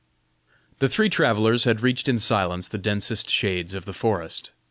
The three travellers had reached in silence the densest shades of the forest.